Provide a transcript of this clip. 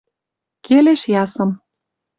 Келеш ясым